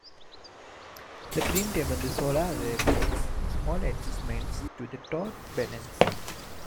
The trim tab on the solar array makes small adjustments to the torque balance.